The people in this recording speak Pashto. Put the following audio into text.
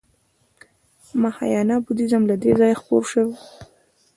مهایانا بودیزم له دې ځایه خپور شو